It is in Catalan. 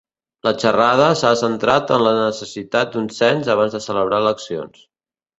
La xerrada s'ha centrat en la necessitat d'un cens abans de celebrar eleccions.